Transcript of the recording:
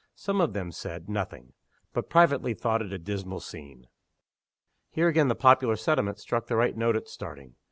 Some of them said nothing but privately thought it a dismal scene. Here again the popular sentiment struck the right note at starting.